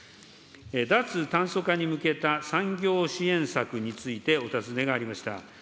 脱炭素化に向けた、産業支援策についてお尋ねがありました。